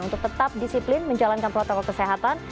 untuk tetap disiplin menjalankan protokol kesehatan